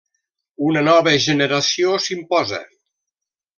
Una nova generació s'imposa.